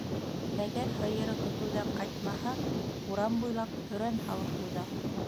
Әгәр һыйыры көтөүҙән ҡайтмаһа, урам буйлап һөрән һалып уҙа: